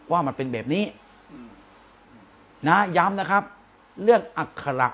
ว่ามันเป็นแบบนี้ย้ำนะครับเรื่องศพสาข์ประหลัก